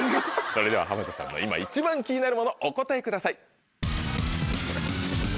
それでは濱田さんが今一番気になるモノお答えください。